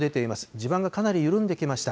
地盤がかなり緩んできました。